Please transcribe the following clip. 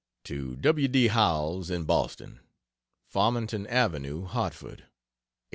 To W. D. Howells, in Boston: FARMINGTON AVENUE, HARTFORD. Apl.